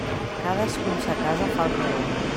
Cadascú en sa casa fa el que vol.